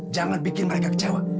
jangan bikin mereka kecewa